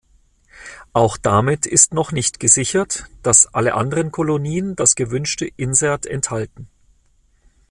Auch damit ist noch nicht gesichert, dass alle anderen Kolonien das gewünschte Insert enthalten.